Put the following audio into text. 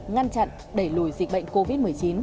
ngăn chặn đẩy lùi dịch bệnh covid một mươi chín